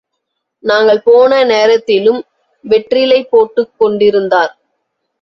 நாங்கள் போன நேரத்திலும் வெற்றிலை போட்டுக் கொண்டிருந்தார்.